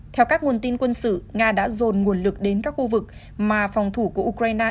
theo các nguồn tin quân sự nga đã dồn nguồn lực đến các khu vực mà phòng thủ của ukraine